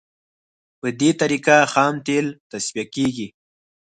په دې طریقه کې خام تیل تصفیه کیږي